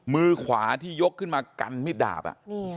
มือขวาที่ยกขึ้นมากันมิดดาบ